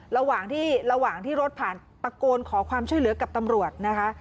ระหว่างที่รถผ่านตะโกนขอความช่วยเหลือกับตำรวจนะคะ